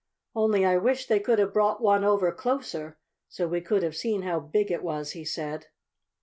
"Only I wish they could have brought one over closer, so we could have seen how big it was," he said.